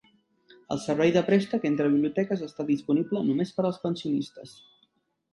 El servei de préstec entre biblioteques està disponible només per als pensionistes.